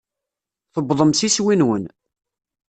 Tuwḍem s iswi-nwen.